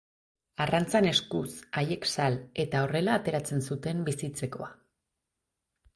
Arrantzan eskuz, haiek sal, eta horrela ateratzen zuten bizitzekoa.